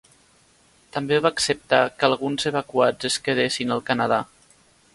També va acceptar que alguns evacuats es quedessin al Canadà.